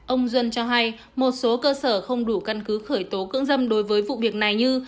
ông duân cho hay một số cơ sở không đủ căn cứ khởi tố cưỡng dâm đối với vụ việc này như